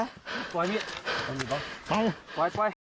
ปลอดภัย